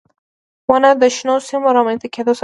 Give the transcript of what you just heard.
• ونه د شنو سیمو رامنځته کېدو سبب ګرځي.